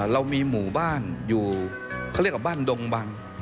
เรามีหมู่บ้านอยู่เขาเรียกว่าบ้านดงบัง